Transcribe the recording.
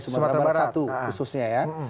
sumatera barat satu khususnya